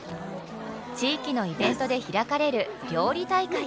地域のイベントで開かれる料理大会。